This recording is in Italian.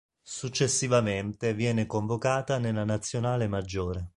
Successivamente viene convocata nella nazionale maggiore.